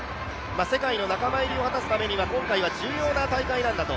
世界の仲間入りを果たすためには、今回は重要な大会なんだと。